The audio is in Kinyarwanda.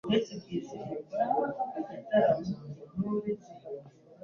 Amaze kubona nimero ye ya terefone, yaramuhamagaye.